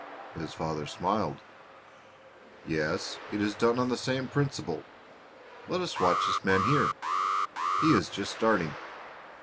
His father smiled. "Yes, it is done on the same principle. Let us watch this man here. He is just starting.